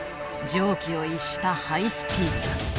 常軌を逸したハイスピード。